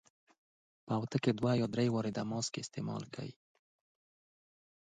په اونۍ کې دوه یا درې ځله دغه ماسک وکاروئ.